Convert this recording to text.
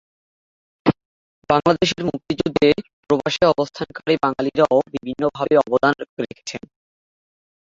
বাংলাদেশের মুক্তিযুদ্ধে প্রবাসে অবস্থানকারী বাঙালিরাও বিভিন্নভাবে অবদান রেখেছেন।